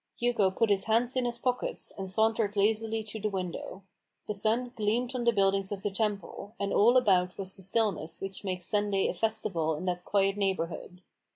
Hugo put his hands in his pockets, and sauntered lazily to the window. The sun gleamed on the buildings of the Temple ; and all about was the stillness which makes Sunday a festival in that quiet neighbourhood.